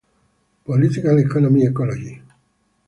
Political Economic Ecology.